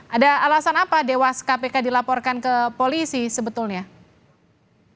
ada alasan apa dewas kpk dilaporkan ke polisi sebetulnya